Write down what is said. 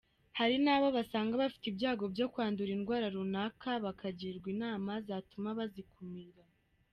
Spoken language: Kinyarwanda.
Hari n’abo basanga bafite ibyago byo kwandura indwara runaka bakagirwa inama zatuma bazikumira.